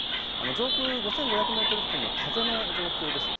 上空５５００メートル付近の風の状況です。